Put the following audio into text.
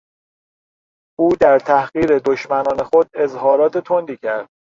او در تحقیر دشمنان خود اظهارات تندی کرد.